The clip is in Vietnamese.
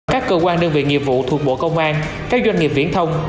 các cơ quan đơn vị nghiệp vụ thuộc bộ công an các doanh nghiệp viễn thông